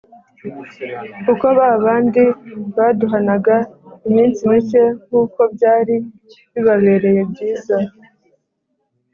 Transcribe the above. Kuko ba bandi baduhanaga iminsi mike nk'uko byari bibabereye byiza,